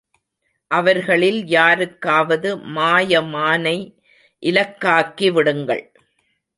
அவர்களில் யாருக்காவது மாயமானை இலக்காக்கி விடுங்கள்.